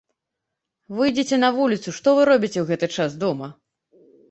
Выйдзіце на вуліцу, што вы робіце ў гэты час дома?